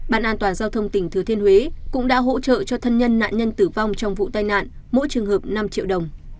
bàn an toàn giao thông tỉnh thừa thiên huế cũng đã hỗ trợ cho thân nhân nạn nhân tử vong trong vụ tai nạn mỗi trường hợp năm triệu đồng